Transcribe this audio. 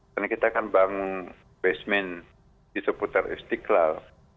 dan kita kan bangun basement di seputar istiqlal